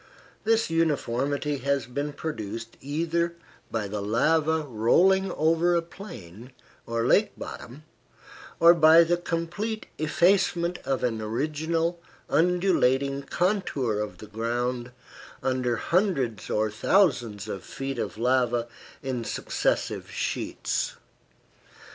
This uniformity has been produced either by the lava rolling over a plain or lake bottom, or by the complete effacement of an original, undulating contour of the ground under hundreds or thousands of feet of lava in successive sheets.